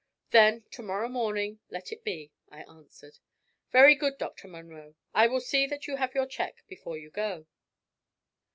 "Then to morrow morning let it be," I answered. "Very good, Dr. Munro; I will see that you have your cheque before you go."